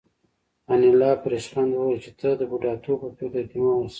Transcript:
انیلا په ریشخند وویل چې ته د بوډاتوب په فکر کې مه اوسه